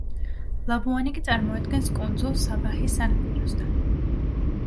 ლაბუანი კი წარმოადგენს კუნძულს საბაჰის სანაპიროსთან.